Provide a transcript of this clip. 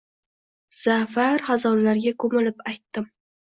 Za’far xazonlarga ko’milib aytdim